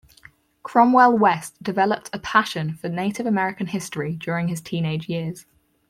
Cromwell West developed a passion for Native American history during his teenage years.